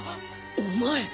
お前。